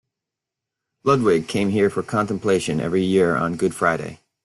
Ludwig came here for contemplation every year on Good Friday.